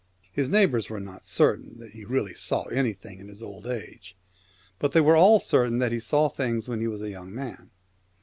His neighbours were not certain that he really saw anything in his old age, but they were all certain that he saw things 196 when he was a young man.